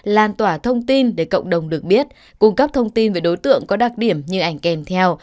lan tỏa thông tin để cộng đồng được biết cung cấp thông tin về đối tượng có đặc điểm như ảnh kèm theo